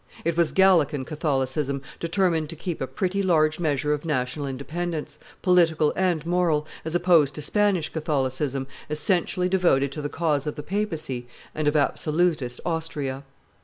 It was Gallican Catholicism, determined to keep a pretty large measure of national independence, political and moral, as opposed to Spanish Catholicism, essentially devoted to the cause of the papacy and of absolutist Austria.